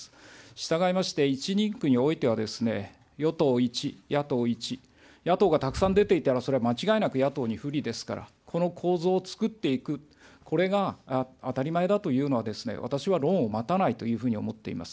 したがいまして、１人区においては与党１、野党１、野党がたくさん出ていたらそれは間違いなく野党に不利ですから、この構図をつくっていく、これが当たり前だというのは、私は論を待たないというふうに思っています。